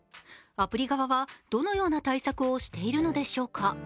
アプリ側はどのような対策をしているのでしょうか。